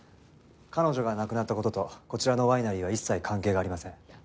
彼女が亡くなった事とこちらのワイナリーは一切関係がありません。